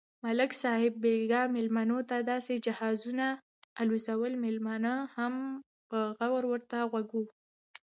ملک صاحب بیگا مېلمنوته داسې جهازونه الوزول، مېلمانه هم په غور ورته غوږ و.